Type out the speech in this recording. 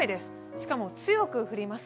しかも強く降ります。